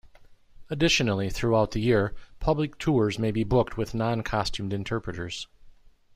Additionally, throughout the year, public tours may be booked with non-costumed interpreters.